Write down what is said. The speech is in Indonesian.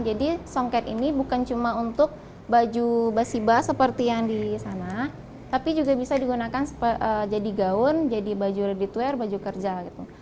songket ini bukan cuma untuk baju basi bas seperti yang di sana tapi juga bisa digunakan jadi gaun jadi baju ready to wear baju kerja gitu